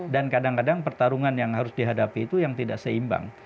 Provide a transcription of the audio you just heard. kadang kadang pertarungan yang harus dihadapi itu yang tidak seimbang